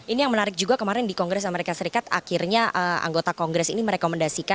ini yang menarik juga kemarin di kongres amerika serikat akhirnya anggota kongres ini merekomendasikan